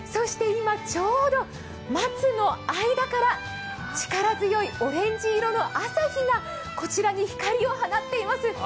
今、ちょうど松の間から力強いオレンジ色の朝日がこちらに光を放っています。